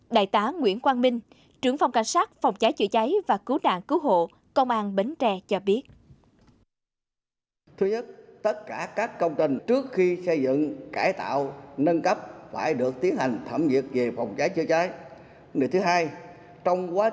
đại tá nguyễn quang minh trưởng phòng cảnh sát phòng cháy chữa cháy và cứu nạn cứu hộ công an bến tre cho biết